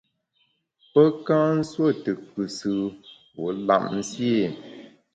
Pe nka nsuo tù kùsù wu lap nsié ?